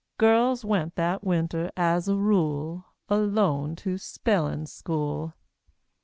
Girls went that winter, as a rule, Alone to spellin' school.